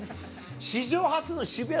史上初の渋谷